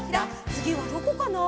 つぎはどこかな？